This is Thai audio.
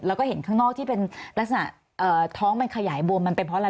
แล้วก็เห็นข้างนอกทอ้มมันขยายบวมมันเป็นเพราะอะไร